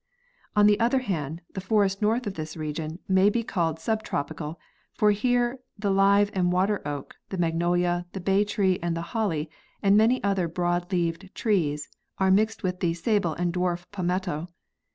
On the other hand, the forest north of this region may be ealled subtropical, for here the live and water oak, the magnolia, the bay tree and holly and many other broad leaved trees are mixed with the sabal and dwarf palmetto.